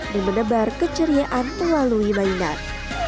dan menebar keceriaan melalui mainan